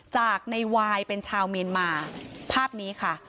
จากในวายเป็นชาวเมียนมาภาพนี้ค่ะ